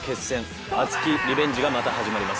熱きリベンジがまた始まります。